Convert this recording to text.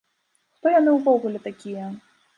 Хто яны ўвогуле такія?